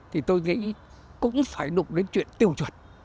thì tôi nghĩ cũng phải đụng đến chuyện tiêu chuẩn